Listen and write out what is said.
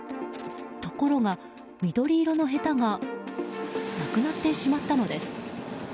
ところが緑色のへたがなくなってしまったのです。